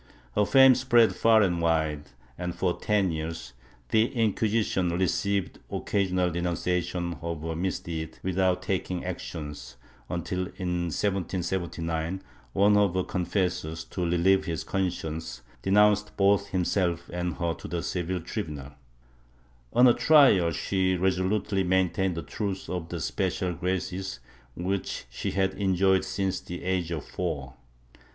Her fame spread far and wide and, for ten years, the Inquisition received occasional denuncia tion of her misdeeds without taking action until, in 1779, one of her confessors, to relieve his conscience, denounced both himself and her to the Seville tribmial. On her trial she resolutely main tained the truth of the special graces which she had enjoyed since the age of four.